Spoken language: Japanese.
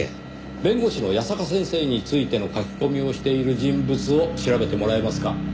弁護士の矢坂先生についての書き込みをしている人物を調べてもらえますか？